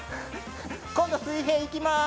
今度、水平で行きます。